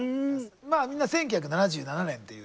まあみんな１９７７年っていう。